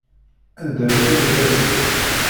Anda ara tiliḍ azekka?